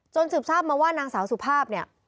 สืบทราบมาว่านางสาวสุภาพเนี่ย